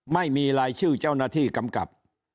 ไม่มีรายชื่อเจ้าหน้าที่กำกับ